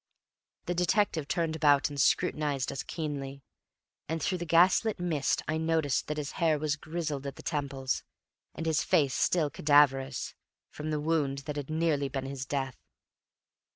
The detective turned about and scrutinized us keenly; and through the gaslit mist I noticed that his hair was grizzled at the temples, and his face still cadaverous, from the wound that had nearly been his death.